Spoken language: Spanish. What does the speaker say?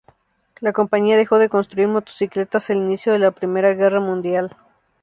La compañía dejó de construir motocicletas al inicio de la Primera Guerra Mundial.